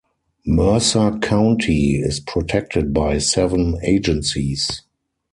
Mercer County is protected by seven agencies.